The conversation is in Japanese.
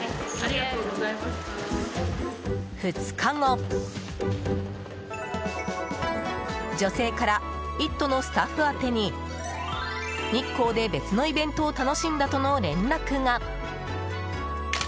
２日後、女性から「イット！」のスタッフ宛てに日光で別のイベントを楽しんだとの連絡が。